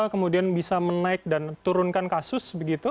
kemudian bisa menaik dan turunkan kasus begitu